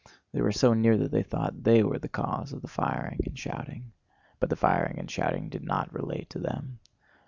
They were so near that they thought they were the cause of the firing and shouting. But the firing and shouting did not relate to them.